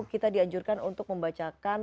kita dianjurkan untuk membacakan